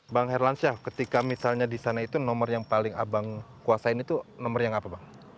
bang herlan syah ketika misalnya disana itu nomor yang paling abang kuasain itu nomor yang apa bang